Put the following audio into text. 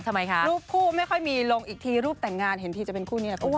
ทำไมคะรูปคู่ไม่ค่อยมีลงอีกทีรูปแต่งงานเห็นทีจะเป็นคู่นี้แหละ